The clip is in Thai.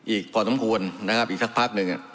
อีกพอสมควรนะครับอีกสักพักหนึ่ง